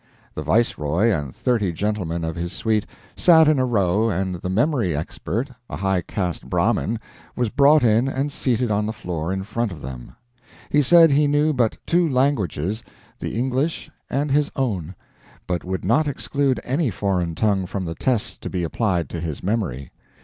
The Viceroy and thirty gentlemen of his suite sat in a row, and the memory expert, a high caste Brahmin, was brought in and seated on the floor in front of them. He said he knew but two languages, the English and his own, but would not exclude any foreign tongue from the tests to be applied to his memory.